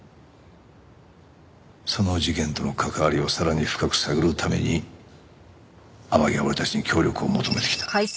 その事件との関わりをさらに深く探るために天樹は俺たちに協力を求めてきた。